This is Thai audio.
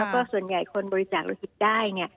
แล้วก็ส่วนใหญ่คนบริจาคโลหิตได้